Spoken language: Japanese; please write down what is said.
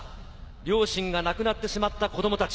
両親が亡くなってしまった子供たち。